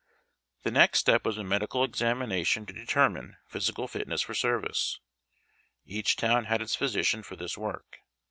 The next steji was a medical examination to determine physical fitness for service. Each town had its physician for this work.